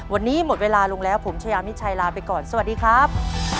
วันนี้หมดเวลาลงแล้วผมชายามิชัยลาไปก่อนสวัสดีครับ